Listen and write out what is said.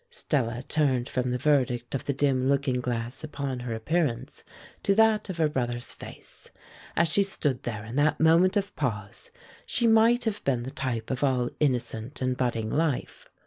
Stella turned from the verdict of the dim looking glass upon her appearance to that of her brother's face. As she stood there in that moment of pause, she might have been the type of all innocent and budding life.